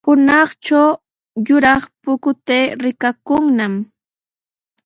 Hunaqtraw yuraq pukutay rikakaamun.